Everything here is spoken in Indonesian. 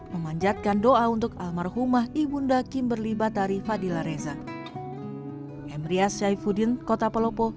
memanjatkan doa untuk almarhumah ibunda kimberly batari fadila reza